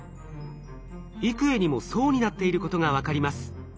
幾重にも層になっていることが分かります。